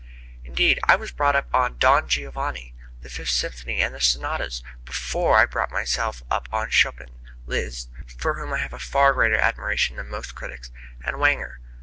Indeed, I was brought up on "Don Giovanni," the Fifth Symphony and the Sonatas before I brought myself up on Chopin, Liszt (for whom I have far greater admiration than most critics), and Wagner.